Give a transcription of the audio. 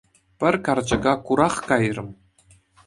Пӗр карчӑка курах кайрӑм.